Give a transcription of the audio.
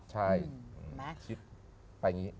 ใช่